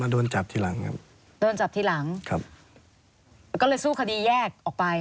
โดนจับทีหลังก็เลยสู้คดีแยกออกไป